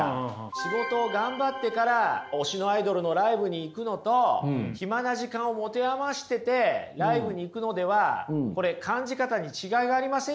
仕事を頑張ってから推しのアイドルのライブに行くのと暇な時間を持て余しててライブに行くのではこれ感じ方に違いがありません？